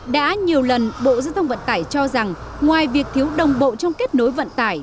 đã nhiều lần bộ giao thông vận tải cho rằng ngoài việc thiếu đồng bộ trong kết nối vận tải